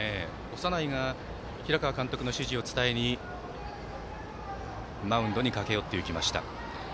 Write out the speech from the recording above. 長内が平川監督の指示を伝えにマウンドに駆け寄っていきました。